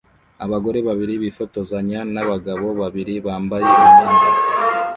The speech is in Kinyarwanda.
Abagore babiri bifotozanya n'abagabo babiri bambaye imyenda